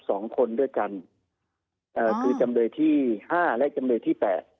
สองคนด้วยกันคือจำเลยที่๕และจำเลยที่๘